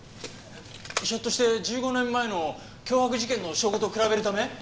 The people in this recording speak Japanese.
ひょっとして１５年前の脅迫事件の証拠と比べるため？